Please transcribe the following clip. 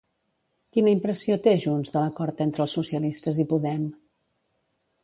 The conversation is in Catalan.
Quina impressió té Junts de l'acord entre els socialistes i Podem?